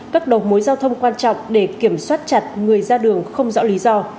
các đầu mối giao thông quan trọng để kiểm soát chặt người ra đường không rõ lý do